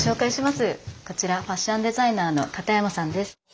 こちらファッションデザイナーの片山さんです。